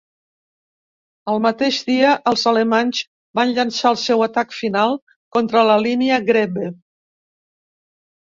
El mateix dia, els alemanys van llançar el seu atac final contra la línia Grebbe.